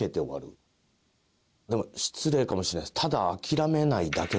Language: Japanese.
でも失礼かもしれない。